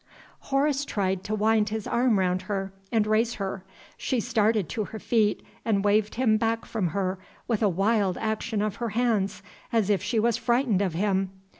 Horace tried to wind his arm round her, and raise her. She started to her feet, and waved him back from her with a wild action of her hands, as if she was frightened of him.